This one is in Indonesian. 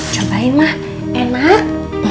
cobain mah enak